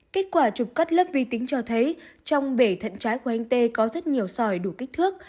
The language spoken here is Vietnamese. kết quả chụp cắt lớp vi tính cho thấy trong bể thận trái của anh tê có rất nhiều sỏi đủ kích thước